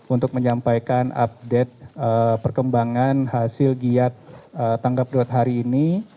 untuk menyampaikan update perkembangan hasil giat tanggap darurat hari ini